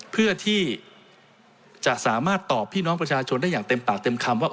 เพื่อที่จะสามารถตอบพี่น้องประชาชนได้อย่างเต็มปากเต็มคำว่า